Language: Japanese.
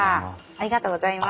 ありがとうございます。